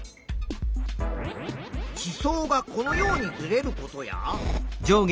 地層がこのようにずれることや。